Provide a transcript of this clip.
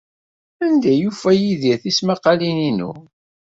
Anda ay yufa Yidir tismaqqalin-inu?